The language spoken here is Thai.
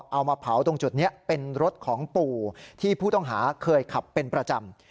เอามาเผาตรงจุดนี้เป็นรถของปู่ที่ผู้ต้องหาเคยขับเป็นประจำ